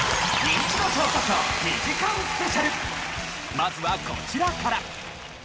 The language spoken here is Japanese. まずはこちらから。